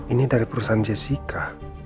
ini dari perusahaan jessica